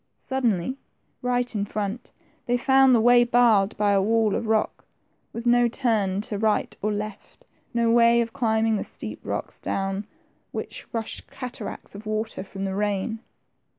Suddenly, right in front, they found the way barred by a wall of rock, with no turn to the right or left ; no way of climbing the steep rocks, down which rushed cataracts of water from the rain.